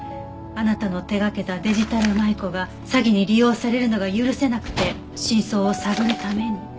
あなたの手掛けたデジタル舞子が詐欺に利用されるのが許せなくて真相を探るために。